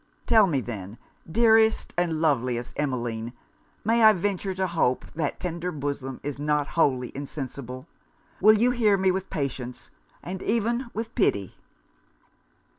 Tell me then, dearest and loveliest Emmeline, may I venture to hope that tender bosom is not wholly insensible? Will you hear me with patience, and even with pity?'